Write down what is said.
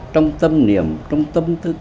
trong tâm niệm trong tâm thức